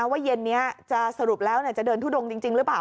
เย็นนี้จะสรุปแล้วจะเดินทุดงจริงหรือเปล่า